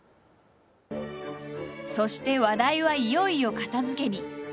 そして話題はいよいよ片づけに。